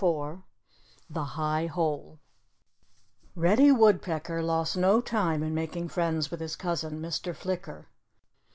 *IV* *THE HIGH HOLE* Reddy Woodpecker lost no time in making friends with his cousin Mr. Flicker.